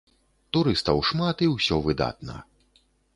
Турыстаў шмат і ўсё выдатна.